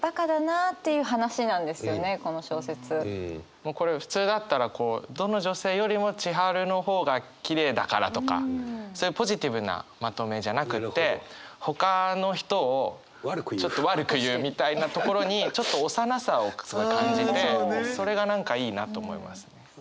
もうこれ普通だったらどの女性よりも千春の方がきれいだからとかそういうポジティブなまとめじゃなくってほかの人をちょっと悪く言うみたいなところにちょっと幼さを感じてそれが何かいいなと思いますね。